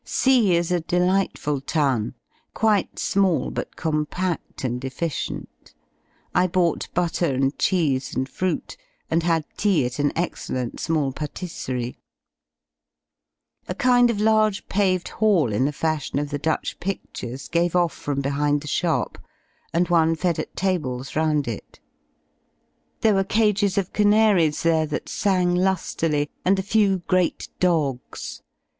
C is a delightful town, quite small, but compa(5l and efficient. I bought butter and cheese and fruit, and had tea at an excellent small patisserie. A kind of large paved hall in the fashion of the Dutch pidlures gave off from behind the shop, and one fed at tables round it. There were cages of canaries there that sang lu^ily, and a few great dogs.